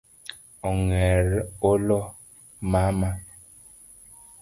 Ong’er olo mama